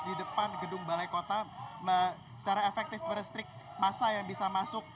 di depan gedung balai kota secara efektif merestrik masa yang bisa masuk